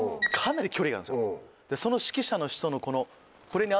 でその指揮者の人のこれに合わせて。